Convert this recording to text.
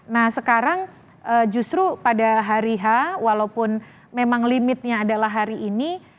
nah sekarang justru pada hari h walaupun memang limitnya adalah hari ini